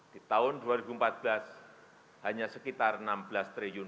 di tahun dua ribu empat belas hanya sekitar rp enam belas triliun